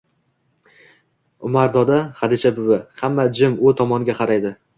Umar doda, Xadicha buvi. Xamma jim u tomonga karaydi